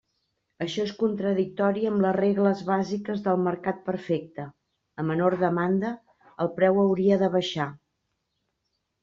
Això és contradictori amb les regles bàsiques del mercat perfecte: a menor demanda el preu hauria de baixar.